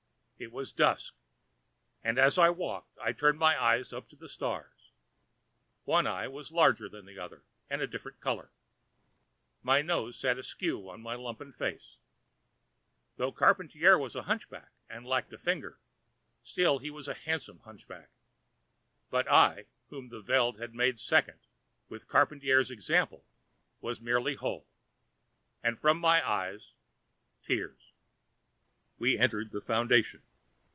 It was dusk, and as I walked I turned my eyes up to the stars. One eye was larger than the other, and a different color. My nose sat askew on my lumpen face. Though Charpantier was a hunchback, and lacked a finger, still he was a handsome hunchback. But I, whom the Veld had made second, with Charpantier's example, was merely whole. And from my eyes, tears. We entered the Foundation.